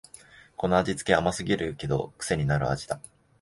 この味つけ、甘すぎるけどくせになる味だ